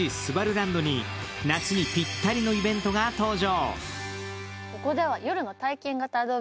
ランドに夏にぴったりのイベントが登場。